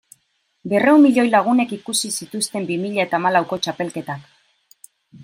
Berrehun milioi lagunek ikusi zituzten bi mila eta hamalauko txapelketak.